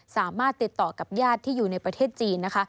สามารถติดต่อกับญาติที่อยู่ในประเทศจีนนะคะ